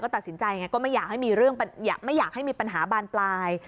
ตัดสินใจไงก็ไม่อยากให้มีปัญหาบานปลาย